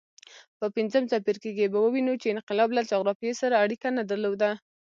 په پنځم څپرکي کې به ووینو چې انقلاب له جغرافیې سره اړیکه نه درلوده.